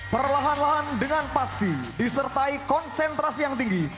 perlahan lahan dengan pasti disertai konsentrasi yang tinggi